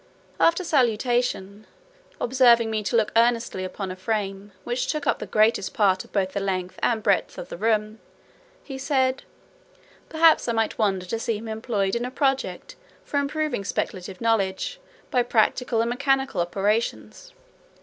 After salutation, observing me to look earnestly upon a frame, which took up the greatest part of both the length and breadth of the room, he said, "Perhaps I might wonder to see him employed in a project for improving speculative knowledge, by practical and mechanical operations.